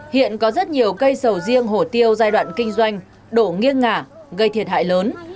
hiện có rất nhiều cây sầu riêng hổ tiêu giai đoạn kinh doanh đổ nghiêng ngả gây thiệt hại lớn